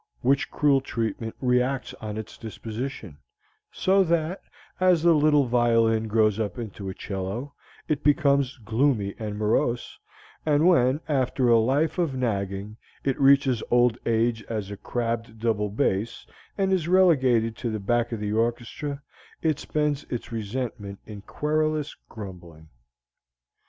Which cruel treatment reacts on its disposition, so that, as the little violin grows up into a 'cello, it becomes gloomy and morose; and when, after a life of nagging, it reaches old age as a crabbed double bass and is relegated to the back of the orchestra, it spends its resentment in querulous grumbling.